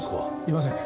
いません。